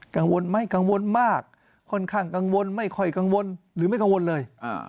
กังวลไหมกังวลมากค่อนข้างกังวลไม่ค่อยกังวลหรือไม่กังวลเลย